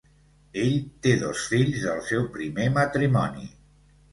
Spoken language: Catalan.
Ell té dos fills del seu primer matrimoni.